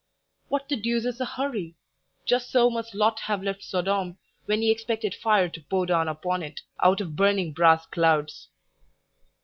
"What the deuce is the hurry? Just so must Lot have left Sodom, when he expected fire to pour down upon it, out of burning brass clouds."